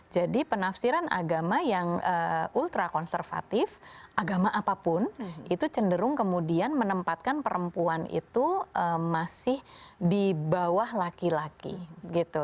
jadi penafsiran agama yang ultra konservatif agama apapun itu cenderung kemudian menempatkan perempuan itu masih di bawah laki laki gitu